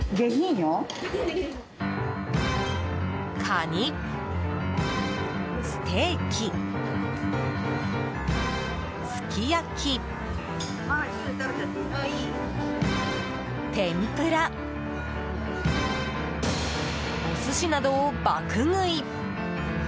カニ、ステーキすき焼き、天ぷらお寿司などを爆食い。